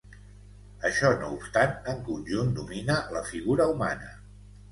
Això no obstant, en conjunt domina la figura humana.